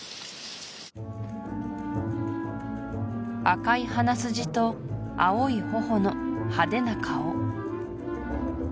赤い鼻筋と青い頬の派手な顔